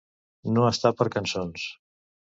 No estar per cançons.